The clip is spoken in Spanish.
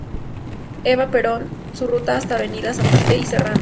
Eva Perón, su ruta hasta Avenida Santa Fe y Serrano.